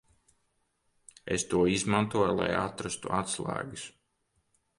Es tos izmantoju, lai atrastu atslēgas.